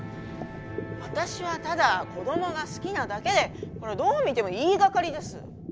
私はただ子供が好きなだけでこれはどう見ても言いがかりです。